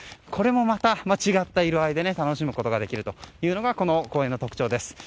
これも違った色合いで楽しむことができるというのがこの公園の特徴です。